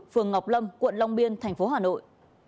phường ngọc lâm quận long biên thành phố hà nội